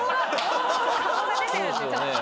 顔が出てるんでちょっと。